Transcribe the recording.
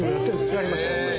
やりました。